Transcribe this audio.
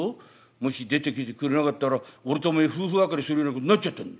もし出てきてくれなかったら俺とおめえ夫婦別れするようなことになっちゃったんだ。